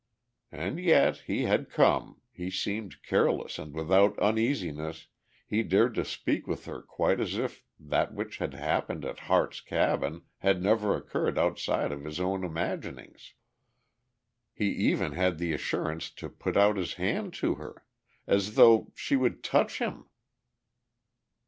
And yet he had come, he seemed careless and without uneasiness, he dared to speak with her quite as if that which had happened in Harte's cabin had never occurred outside of his own imaginings. He even had the assurance to put out his hand to her! As though she would touch him!...